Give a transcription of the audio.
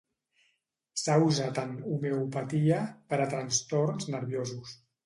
S'ha usat en homeopatia per a trastorns nerviosos.